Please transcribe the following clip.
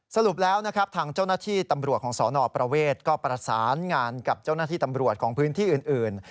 สรุปแล้วนะครับทางเจ้าหน้าที่ตำรวจของสนประเวทก็ประสานงานกับเจ้าหน้าที่ตำรวจของพื้นที่อื่น